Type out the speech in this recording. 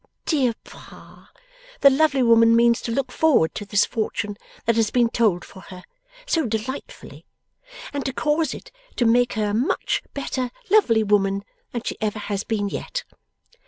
Dear Pa, the lovely woman means to look forward to this fortune that has been told for her, so delightfully, and to cause it to make her a much better lovely woman than she ever has been yet.